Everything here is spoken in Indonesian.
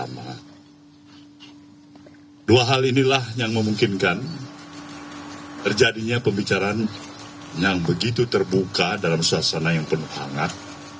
dua hal inilah yang memungkinkan terjadinya pembicaraan yang begitu terbuka dalam suasana yang penuh hangat